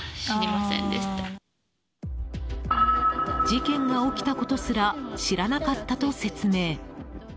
事件が起きたことすら知らなかったと説明。